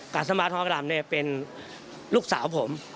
กัษมาทรงอักษรามเนี่ยเป็นลูกสาวผม